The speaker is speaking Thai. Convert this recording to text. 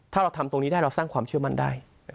ถ้าเราทำตรงนี้ได้เราสร้างความเชื่อมั่นได้